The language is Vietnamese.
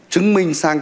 chứng minh sang